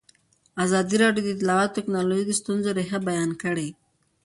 ازادي راډیو د اطلاعاتی تکنالوژي د ستونزو رېښه بیان کړې.